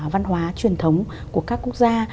văn hóa truyền thống của các quốc gia